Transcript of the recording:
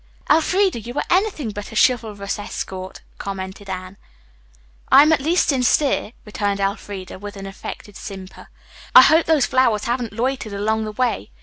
"Elfreda, you are anything but a chivalrous escort," commented Anne. "I am at least sincere," returned Elfreda, with an affected simper. "I hope those flowers haven't loitered along the way.